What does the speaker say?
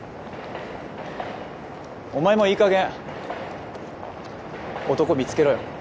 お前もいいかげん男見つけろよ。